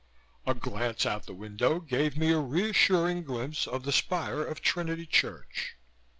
A glance out the window gave me a reassuring glimpse of the spire of Trinity Church.